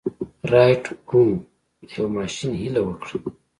رايټ وروڼو د يوه ماشين هيله وکړه.